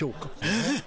えっ。